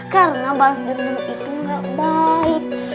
karena balas dendam itu gak baik